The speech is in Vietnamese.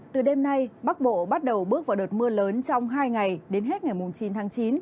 từ đêm nay bắc bộ bắt đầu bước vào đợt mưa lớn trong hai ngày đến hết ngày chín tháng chín